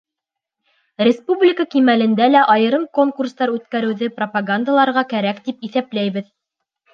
Республика кимәлендә лә айырым конкурстар үткәреүҙе пропагандаларға кәрәк, тип иҫәпләйбеҙ.